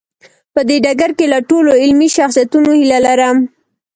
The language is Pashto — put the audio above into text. په دې ډګر کې له ټولو علمي شخصیتونو هیله لرم.